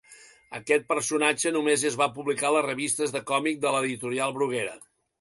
Aquest personatge només es va publicar a les revistes de còmic de l'editorial Bruguera.